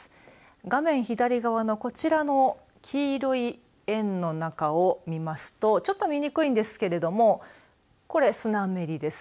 画面左側のこちらの黄色い円の中を見ますとちょっと見にくいんですけれどもこれ、スナメリです。